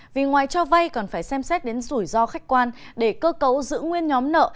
vì ngoài cho vay còn phải xem xét đến rủi ro khách quan để cơ cấu giữ nguyên nhóm nợ